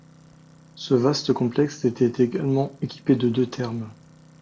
Ce vaste complexe était également équipé de deux thermes.